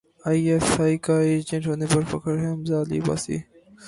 I S I کا agent ہونے پر فخر ہے حمزہ علی عباسی